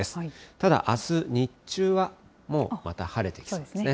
ただ、あす日中は、もうまた晴れてきそうですね。